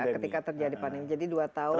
ketika terjadi pandemi jadi dua tahun